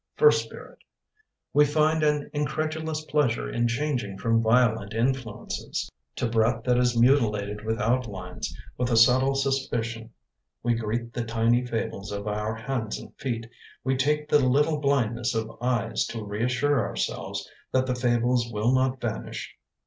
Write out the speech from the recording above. First Spirit We find an incredulous pleasure In changing from violent influences To breath that is mutilated with outlines. With a subtle suspicion, we greet The tiny fables of our hands and feet. We take the little blindness of eyes To reassure ourselves That the fables will not vanish.